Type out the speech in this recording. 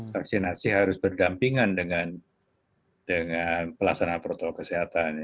vaksinasi harus berdampingan dengan pelaksanaan protokol kesehatan